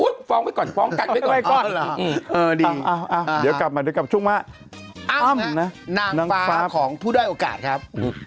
เดี๋ยวกลับมาดีกว่าช่วงว่านางฟาของผู้ด้วยโอกาสครับ